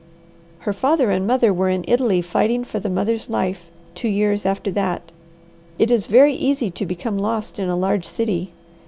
"Her father and mother were in Italy fighting for the mother's life, two years after that. It is very easy to become lost in a large city.